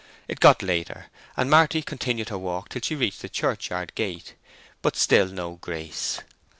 It got later, and Marty continued her walk till she reached the church yard gate; but still no Grace.